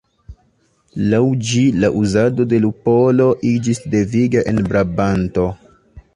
Laŭ ĝi la uzado de lupolo iĝis deviga en Brabanto.